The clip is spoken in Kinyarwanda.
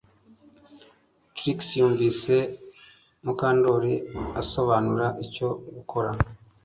Trix yumvise Mukandoli asobanura icyo gukora